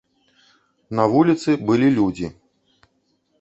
На вуліцы былі людзі.